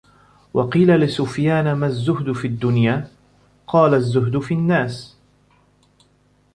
وَقِيلَ لِسُفْيَانَ مَا الزُّهْدُ فِي الدُّنْيَا ؟ قَالَ الزُّهْدُ فِي النَّاسِ